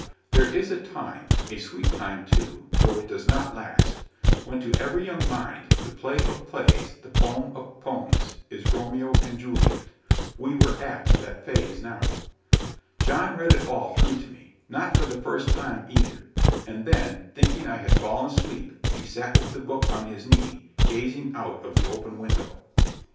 There is a time a sweet time, too, though it does not last when to every young mind the play of plays, the poem of poems, is Romeo and Juliet. We were at that phase now. John read it all through to me not for the first time either; and then, thinking I had fallen asleep, he sat with the book on his knee, gazing out of the open window.